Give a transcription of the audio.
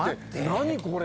何これ？